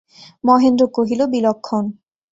মহেন্দ্র কহিল, বিলক্ষণ।